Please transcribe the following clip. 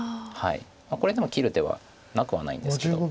これでも切る手はなくはないんですけど。